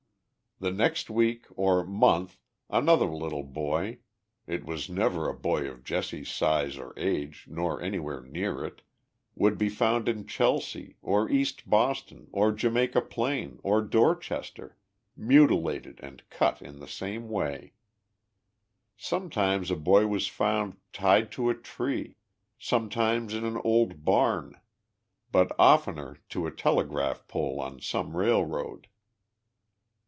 The next week or month another little boy, ( it was never a boy of Jesse's size or age, nor anywhere near it, ) would be found in Chelsea, or East Boston, or Jamaica Plain, or Dorchester, mutilated and cut in the same way. Sometimes a boy was found tied to a tree, sometimes in an old barn, but oftener to a telegraph pole on some railroad.